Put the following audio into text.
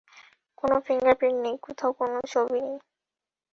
কোন ফিঙ্গারপ্রিন্ট নেই, কোথাও কোন ছবি নেই।